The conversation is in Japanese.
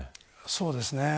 そうですね。